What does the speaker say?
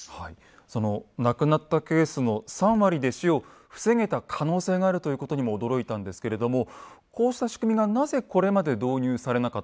その亡くなったケースの３割で死を防げた可能性があるということにも驚いたんですけれどもこうした仕組みがなぜこれまで導入されなかった